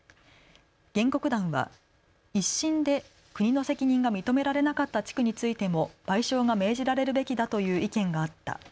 原告団は１審で国の責任が認められなかった地区についても賠償が命じられるべきだという意見があった。